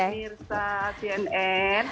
selamat malam pemirsa cnn